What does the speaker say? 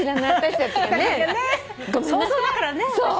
想像だからね。